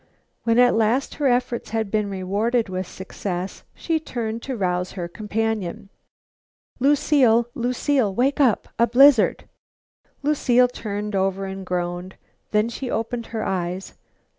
When at last her efforts had been rewarded with success, she turned to rouse her companion. "Lucile! Lucile! Wake up? A blizzard!" Lucile turned over and groaned. Then she opened her eyes.